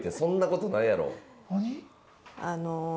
あの。